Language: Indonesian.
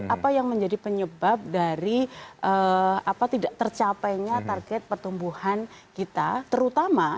apa yang menjadi penyebab dari tidak tercapainya target pertumbuhan kita terutama